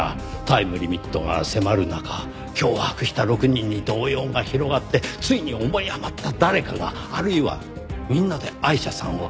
タイムリミットが迫る中脅迫した６人に動揺が広がってついに思い余った誰かがあるいはみんなでアイシャさんを。